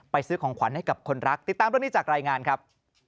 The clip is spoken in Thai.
ซื้อของขวัญให้กับคนรักติดตามเรื่องนี้จากรายงานครับ